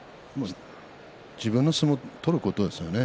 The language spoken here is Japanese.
自分の相撲を取ることですよね。